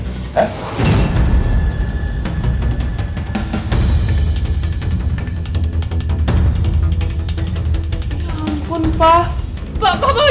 ya ampun pak